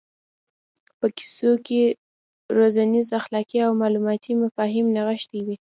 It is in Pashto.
په کیسو کې روزنیز اخلاقي او معلوماتي مفاهیم نغښتي وي.